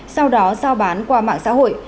sau đó sao bán qua mạng xã hội